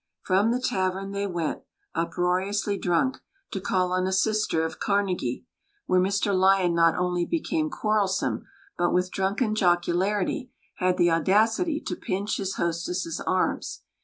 From the tavern they went, uproariously drunk, to call on a sister of Carnegie, where Mr Lyon not only became quarrelsome, but with drunken jocularity, had the audacity to pinch his hostess's arms.